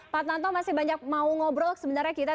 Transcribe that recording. pak tanto masih banyak mau ngobrol sebenarnya kita